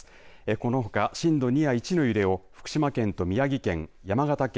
このほか震度２や１の揺れを福島県と宮城県山形県